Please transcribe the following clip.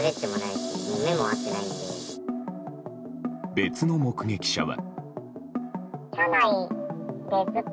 別の目撃者は。